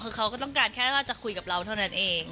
คือเขาก็ต้องการแค่ว่าจะคุยกับเราเท่านั้นเอง